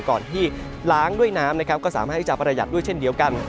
ก่อนที่ล้างด้วยน้ำนะครับก็สามารถที่จะประหยัดด้วยเช่นเดียวกัน